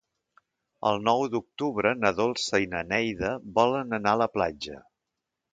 El nou d'octubre na Dolça i na Neida volen anar a la platja.